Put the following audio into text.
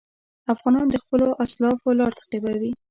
افغان د خپلو اسلافو لار تعقیبوي.